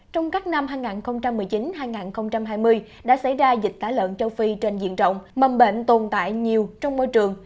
trong các năm hai nghìn một mươi chín hai nghìn hai mươi đã xảy ra dịch tả lợn châu phi trên diện rộng mầm bệnh tồn tại nhiều trong môi trường